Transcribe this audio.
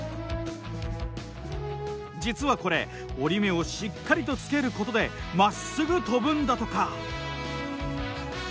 実はこれ折り目をしっかりとつけることでまっすぐ飛ぶんだとか。